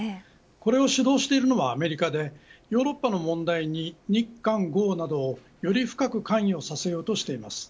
これを主導しているのはアメリカで、ヨーロッパの問題に日韓豪などをより深く関与させようとしています。